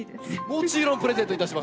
もちろんプレゼントいたします。